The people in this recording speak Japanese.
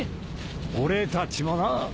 俺たちもな。